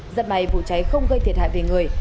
giật bày vụ cháy không gây thiệt hại về người